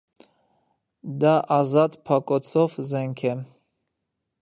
Դա ազատ փակոցով զենք է։